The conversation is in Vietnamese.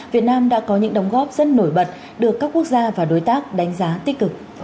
việt nam đã có những đóng góp rất nổi bật được các quốc gia và đối tác đánh giá tích cực